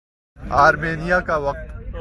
Armenia کا وقت